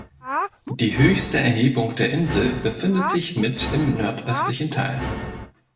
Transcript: Die höchste Erhebung der Insel befindet sich mit im nordöstlichen Teil.